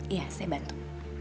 iya saya bantu